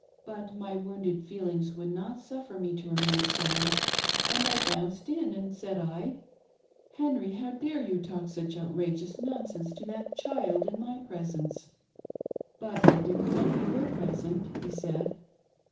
But my wounded feelings would not suffer me to remain silent, and I bounced in, and, said I, — Henry, how dare you talk such outrageous nonsense to that child in my presence ?"' But I didn't know you were present,' he said.